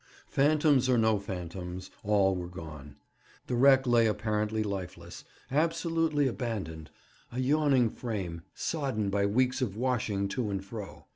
Phantoms or no phantoms, all were gone. The wreck lay apparently lifeless, absolutely abandoned, a yawning frame, sodden by weeks of washing to and fro.